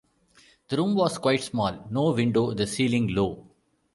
The room was quite small; no window; the ceiling, low.